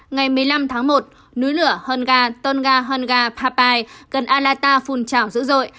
ngày một mươi năm tháng một núi lửa tôn ga honga papai gần alata phun trào dữ dội